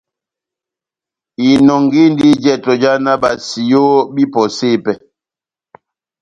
Inɔngindi jɛtɔ já náh basiyo bahipɔse pɛhɛ.